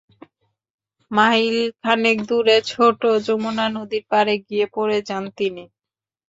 Mile খানেক দূরে ছোট যমুনা নদীর পাড়ে গিয়ে পড়ে যান তিনি।